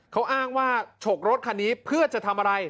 เขาอ้างว่าฉกรถคันนี้เพื่อจะทำอะไร